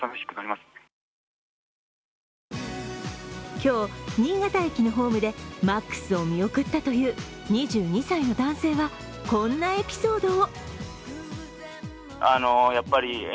今日、新潟駅のホームでＭａｘを見送ったという２２歳の男性はこんなエピソードを。